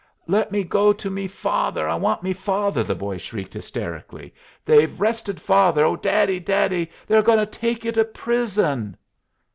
"Let me go to me father. I want me father," the boy shrieked hysterically. "They've 'rested father. Oh, daddy, daddy. They're a goin' to take you to prison."